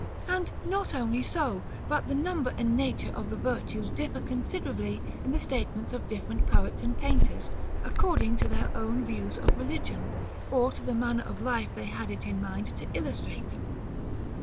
And not only so, but the number and nature of the virtues differ considerably in the statements of different poets and painters, according to their own views of religion, or to the manner of life they had it in mind to illustrate.